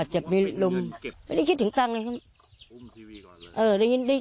อาจจะมีลมไม่ได้คิดถึงตังค์เลยครับ